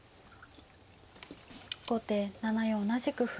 後手７四同じく歩。